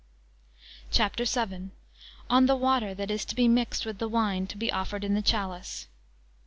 CHAPTER VII. On the water that is to be mixed with the wine to be offered in the chalice.